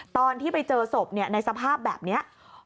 ตอนที่ไปเจอศพในสภาพแบบนี้